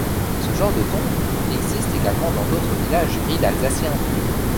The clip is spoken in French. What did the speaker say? Ce genre de tombes existe également dans d'autres villages du Ried alsacien.